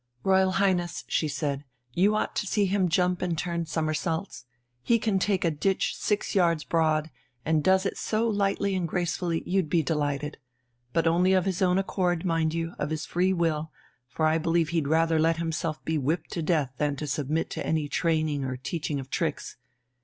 "Royal Highness," she said, "you ought to see him jump and turn somersaults. He can take a ditch six yards broad, and does it so lightly and gracefully, you'd be delighted. But only of his own accord, mind you, of his free will, for I believe he'd rather let himself be whipped to death than submit to any training or teaching of tricks.